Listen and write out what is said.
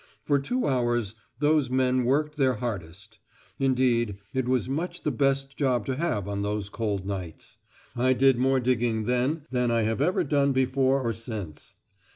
For two hours those men worked their hardest; indeed, it was much the best job to have on those cold nights. I did more digging then than I have ever done before or since.